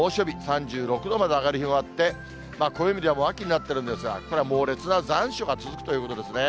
３６度まで上がる日もあって、暦ではもう秋になってるんですが、猛烈な残暑が続くということですね。